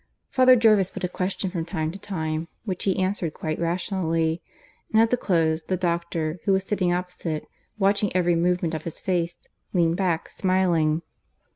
Father Jervis put a question from time to time, which he answered quite rationally; and at the close the doctor, who was sitting opposite, watching every movement of his face, leaned back, smiling.